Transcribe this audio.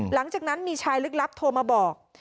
หลังจากนั้นมีชายลึกลับโทรมาบอก